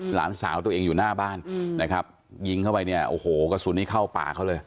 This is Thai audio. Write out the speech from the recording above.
หลานสาวตัวเองอยู่หน้าบ้านนะครับยิงเข้าไปเนี่ยโอ้โหกระสุนนี้เข้าปากเขาเลย